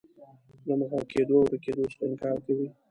له محوه کېدو او ورکېدو څخه انکار کوي.